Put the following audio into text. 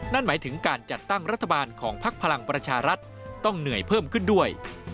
นั่นหมายถึงการจัดตั้งรัฐบาลของพักพลังประชารัฐต้องเหนื่อยเพิ่มขึ้นด้วย